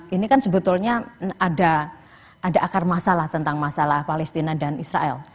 ini kan sebetulnya ada akar masalah tentang masalah palestina dan israel